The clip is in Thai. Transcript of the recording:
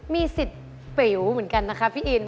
มีสิทธิ์ปิ๋วเหมือนกันนะคะพี่อิน